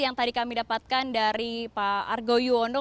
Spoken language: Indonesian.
yang tadi kami dapatkan dari pak argo yuwono